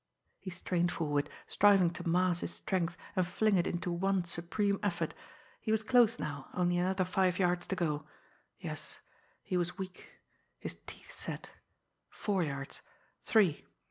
He strained forward, striving to mass his strength and fling it into one supreme effort. He was close now only another five yards to go. Yes he was weak. His teeth set. Four yards three!